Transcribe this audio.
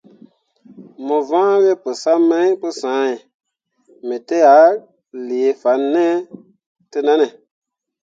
Mo vãã we pəsam mai pəsãhe, me tə a lee fan ne təʼnanne.